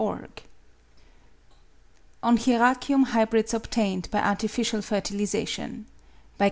"] ON HIERACIUM HYBRIDS OBTAINED BY ARTIFICIAL FERTILISATION BY G.